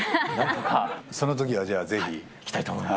そのときは、じゃあ、ぜひ。行きたいと思います。